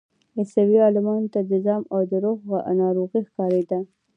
عیسوي عالمانو ته جذام د روح ناروغي ښکارېدله.